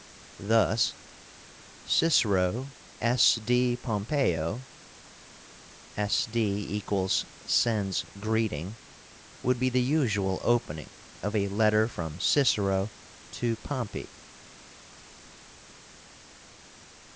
Thus "Cicero S. D. Pompeio" (S. D. = sends greeting) would be the usual opening of a letter from Cicero to Pompey.